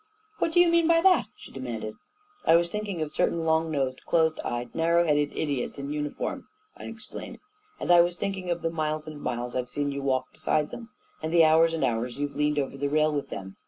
" What do you mean by that? " she demanded. 44 1 was thinking of certain long nosed, close eyed, narrow headed idiots in uniform," I explained. "And I was thinking of the miles and miles I've seen you walk beside them ; and the hours and hours you've leaned over the rail with them.